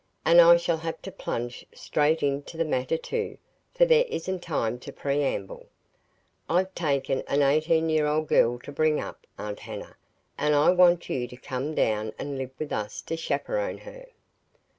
"And I shall have to plunge straight into the matter, too, for there isn't time to preamble. I've taken an eighteen year old girl to bring up, Aunt Hannah, and I want you to come down and live with us to chaperon her."